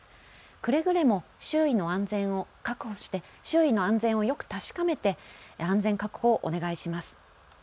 くれぐれも周囲の安全を確保して周囲の安全をよく確かめて安全確保をお願いします。